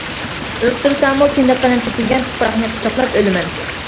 ئۆلتۈرسەڭمۇ كىندىك قېنىم تۆكۈلگەن تۇپراقنى قۇچاقلاپ ئۆلىمەن!